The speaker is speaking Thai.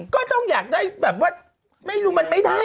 ก็ต้องอยากได้แบบว่าไม่รู้มันไม่ได้